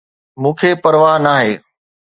مون کي پرواه ناهي